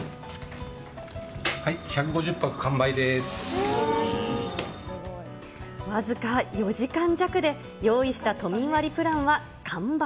はい、僅か４時間弱で、用意した都民割プランは完売。